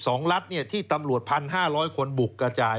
เป็นการกวาดล้างที่ใช้กำลังผลมากที่สุดในประวัติศาสตร์ของเยอรมัน